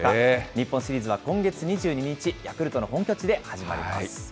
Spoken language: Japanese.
日本シリーズは今月２２日、ヤクルトの本拠地で始まります。